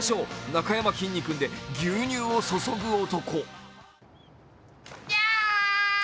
なかやまきんに君で「牛乳を注ぐ男」。